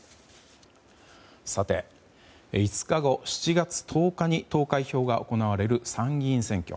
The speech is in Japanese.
さて５日後、７月１０日投開票が行われる参議院選挙。